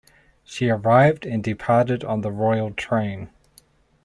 She arrived and departed on the Royal Train.